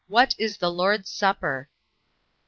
What is the Lord's supper? A.